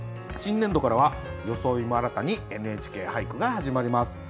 新年度からは装いも新たに「ＮＨＫ俳句」が始まります。